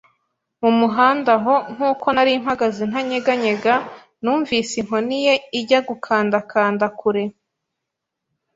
mumuhanda, aho, nkuko nari mpagaze ntanyeganyega, numvise inkoni ye ijya gukanda-kanda kure.